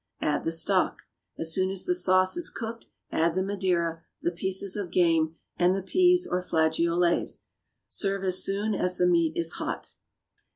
Add the stock. As soon as the sauce is cooked, add the madeira, the pieces of game, and the peas or flageolets. Serve as soon as the meat is hot.